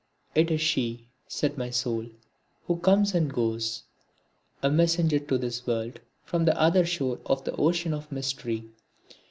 It is she, said my soul, who comes and goes, a messenger to this world from the other shore of the ocean of mystery.